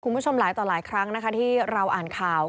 คุณผู้ชมหลายต่อหลายครั้งนะคะที่เราอ่านข่าว